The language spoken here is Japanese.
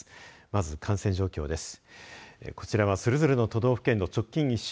まず感染状況です。